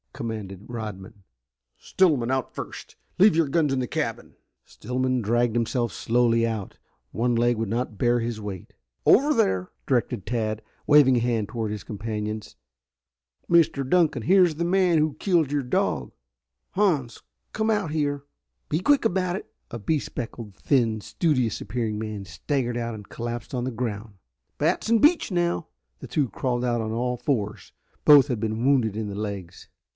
commanded Rodman. "Stillman out first. Leave your guns in the cabin!" Stillman dragged himself slowly out. One leg would not bear his weight. "Over there," directed Tad, waving a hand toward his companions. "Mr. Dunkan, here is the man who killed your dog. Hans, come out here. Be quick about it!" A bespectacled, thin, studious appearing man staggered out and collapsed on the ground. "Batts and Beach now!" The two crawled out on all fours. Both had been wounded in the legs.